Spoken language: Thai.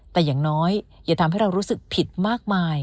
แต่อย่างน้อยอย่าทำให้เรารู้สึกผิดมากมาย